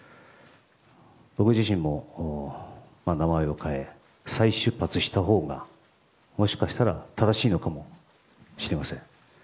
僕自身も名前を変え再出発したほうがもしかしたら正しいのかもしれません。